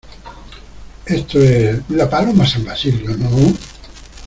esto es... la Paloma San Basilio, ¿ no?